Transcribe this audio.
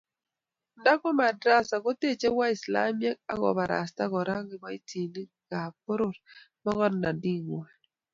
Ndako madrassa kotechi waislamiek akobarasta Kora kiboitinikab poror mogornondingwai